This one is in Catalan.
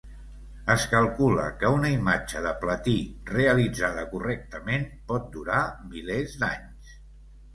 Es calcula que una imatge de platí, realitzada correctament, pot durar milers d'anys.